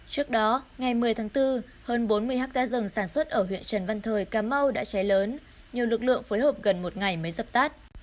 trước đó ngày một mươi tháng bốn hơn bốn mươi hectare rừng sản xuất ở huyện trần văn thời cà mau đã cháy lớn nhiều lực lượng phối hợp gần một ngày mới dập tắt